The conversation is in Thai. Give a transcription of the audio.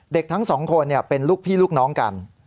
เด็กทั้งสองคนเนี่ยเป็นลูกพี่ลูกน้องกัน